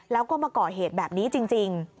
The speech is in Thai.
แล้วก็มาก่อเหตุแบบนี้จริง